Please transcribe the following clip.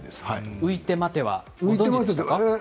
浮いて待てはご存じでしたか。